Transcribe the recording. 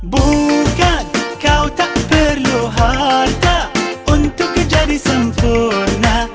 bukan kau tak perlu harta untuk ke jadi sempurna